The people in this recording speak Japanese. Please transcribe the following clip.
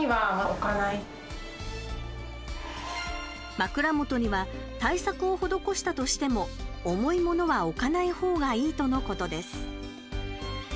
枕元には対策を施したとしても重い物は置かない方がいいとのことです。